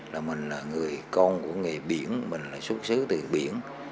là mình là người con của nghề biển mình lại xuất xứ từ biển